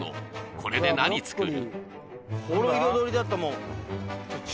これで何作る？